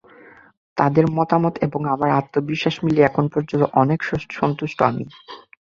তাঁদের মতামত এবং আমার আত্মবিশ্বাস মিলিয়ে এখন পর্যন্ত অনেক সন্তুষ্ট আমি।